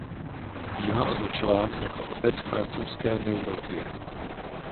Bývá označován jako „otec francouzské neurologie“.